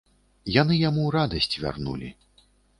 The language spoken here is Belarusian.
Яны яму радасць вярнулі.